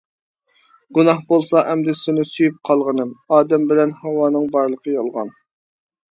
گۇناھ بولسا ئەمدى سېنى سۆيۈپ قالغىنىم، ئادەم بىلەن ھاۋانىڭ بارلىقى يالغان!